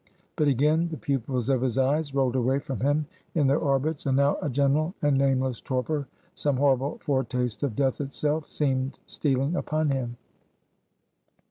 But again the pupils of his eyes rolled away from him in their orbits: and now a general and nameless torpor some horrible foretaste of death itself seemed stealing upon him.